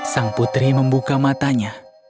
sang putri membuka matanya